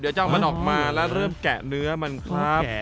เดี๋ยวจะเอามันออกมาแล้วเริ่มแกะเนื้อมันครับแกะ